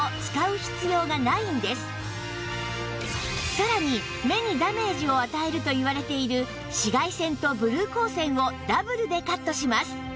さらに目にダメージを与えるといわれている紫外線とブルー光線をダブルでカットします